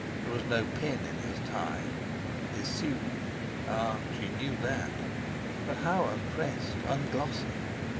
There was no pin in his tie. His suit—ah!—she knew that—but how unpressed, unglossy!